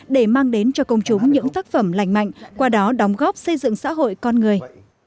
để mang đến cho công chúng những tác phẩm lành mạnh qua đó đóng góp xây dựng xã hội con người